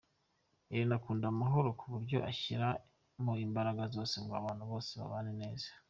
Irene akunda amahoro kuburyo ashyiramo imbaraga zose ngo abantu bose babane neza.